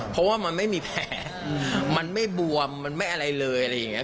เพราะว่ามันไม่มีแผลมันไม่บวมมันไม่อะไรเลยอะไรอย่างนี้